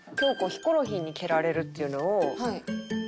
ヒコロヒーに蹴られるっていうのを。